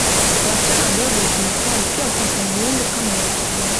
Wasichana wadogo wa kimaasai pia hufata muundo kama wa wavulana